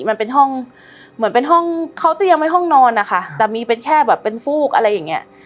มันเป็นห้องเหมือนเป็นห้องเขาเตรียมไว้ห้องนอนนะคะแต่มีเป็นแค่แบบเป็นฟูกอะไรอย่างเงี้ย